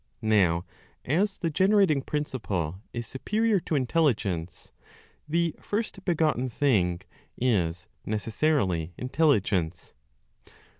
Now as the generating principle is superior to intelligence, the first begotten thing is necessarily intelligence.